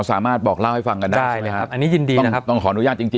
สวัสดีครับทุกผู้ชม